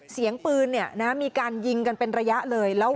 เสียงปืนมีการยิงกันเป็นระยะเลย